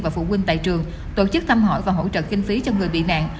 và phụ huynh tại trường tổ chức thăm hỏi và hỗ trợ kinh phí cho người bị nạn